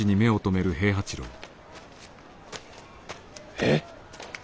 えっ！？